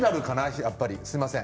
やっぱり、すみません。